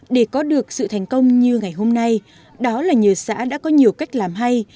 để có được sự thành công như ngày hôm nay đó là nhờ xã đã có nhiều cách làm hay